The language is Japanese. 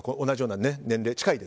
同じような年齢で。